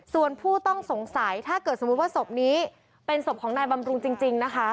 ส่วนผู้ต้องสงสัยถ้าเกิดสมมุติว่าศพนี้เป็นศพของนายบำรุงจริงนะคะ